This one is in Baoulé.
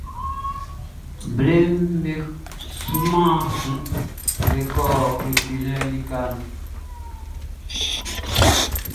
Blɛ sunman nunʼn, be kɔ be wun kpinngbinlɛ likaʼn nun lɔ be ko yo be wun kpinngbinlɛ nin ninnge fanunfanun.